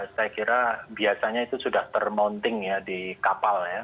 saya kira biasanya itu sudah termounting ya di kapal ya